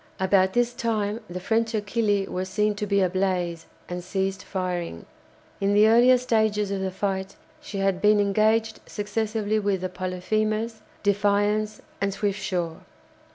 About this time the French "Achille" was seen to be ablaze and ceased firing. In the earlier stages of the fight she had been engaged successively with the "Polyphemus," "Defiance," and "Swiftsure."